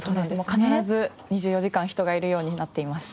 必ず２４時間人がいるようになっています。